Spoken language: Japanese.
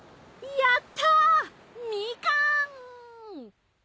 やったぁみかん！